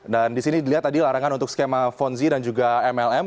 dan disini dilihat tadi larangan untuk skema fonzi dan juga mlm